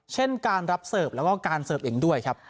เช่นการรับเสิร์ฟแล้วก็การเสิร์ฟเองด้วยครับ